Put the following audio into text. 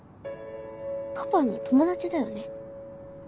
パパの友達だよね？